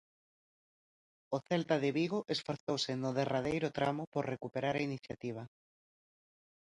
O Celta de Vigo esforzouse no derradeiro tramo por recuperar a iniciativa.